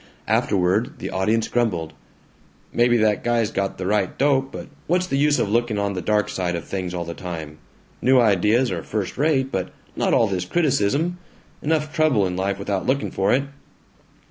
Afterward the audience grumbled, "Maybe that guy's got the right dope, but what's the use of looking on the dark side of things all the time? New ideas are first rate, but not all this criticism. Enough trouble in life without looking for it!"